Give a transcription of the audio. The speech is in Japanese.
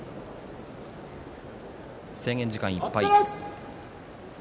制限時間いっぱい。